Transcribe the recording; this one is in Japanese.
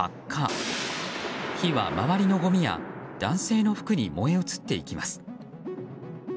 火は周りのごみや男性の服に燃え移っていきます。